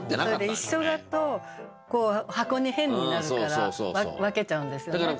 それで一緒だと箱に変になるから分けちゃうんですよね。